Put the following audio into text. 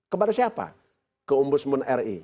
kepada siapa ke umbun umbun ri